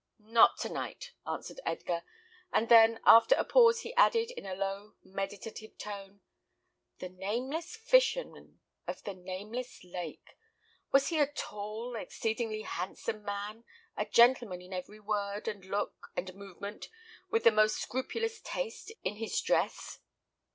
"Not to night," answered Edgar; and then after a pause, he added, in a low, meditative tone, "The Nameless Fisherman of the Nameless Lake! Was he a tall, exceedingly handsome man; a gentleman in every word, and look, and movement, with the most scrupulous taste in his dress?"